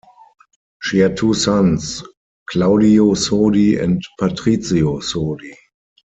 She has two sons, Claudio Sodi and Patricio Sodi.